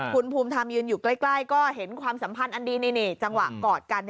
คุณภูมิธรรมยืนอยู่ใกล้ก็เห็นความสัมพันธ์อันดีนี่จังหวะกอดกัน